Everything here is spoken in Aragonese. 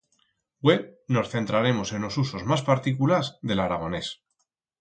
Hue nos centraremos en os usos mas particulars de l'aragonés.